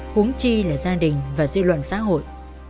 huống chi là gia đình và dư luận xã hội